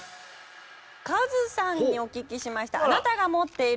カズさんにお聞きしました。